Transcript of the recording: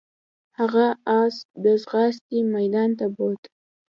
هغه اس ته د ځغاستې میدان ته بوت.